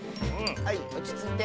はいおちついて。